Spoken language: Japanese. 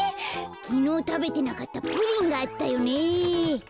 きのうたべてなかったプリンがあったよね。